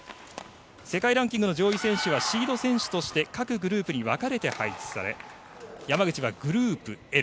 世界ランキングの上位選手はシード選手として各グループに分かれて配置され山口はグループＬ